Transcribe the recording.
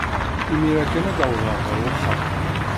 Imir-a kan ay d-wwḍeɣ ɣer uxxam.